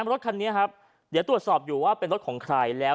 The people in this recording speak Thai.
ในรถคันนึงเขาพุกอยู่ประมาณกี่โมงครับ๔๕นัท